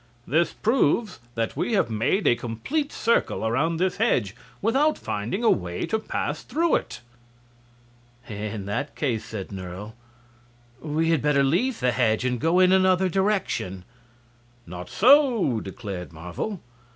"This proves that we have made a complete circle around this hedge without finding a way to pass through it." "In that case," said Nerle, "we had better leave the hedge and go in another direction." "Not so," declared Marvel.